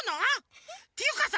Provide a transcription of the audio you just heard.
ていうかさ